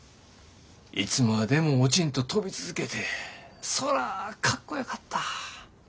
いつまでも落ちんと飛び続けてそらかっこよかった。